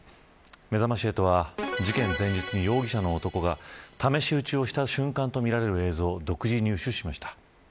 めざまし８は、事件前日に容疑者の男が試し撃ちをした瞬間とみられる映像を独自入手しました。